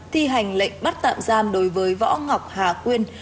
thi hành lệnh bắt tạm giam đối với võ ngọc hà quyên